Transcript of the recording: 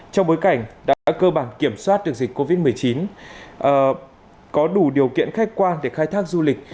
trong bối cảnh đã cơ bản kiểm soát được dịch covid một mươi chín có đủ điều kiện khách quan để khai thác du lịch